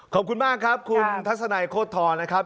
ขอบคุณมากครับคุณทัศนัยโคตรทรนะครับ